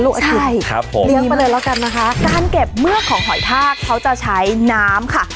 อาทิตย์ครับผมเลี้ยงไปเลยแล้วกันนะคะการเก็บเมื่อกของหอยทากเขาจะใช้น้ำค่ะ